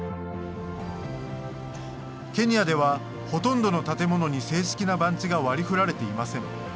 ケニアではほとんどの建物に正式な番地が割りふられていません。